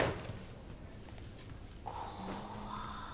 怖っ。